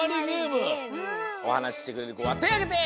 おはなししてくれるこはてをあげて！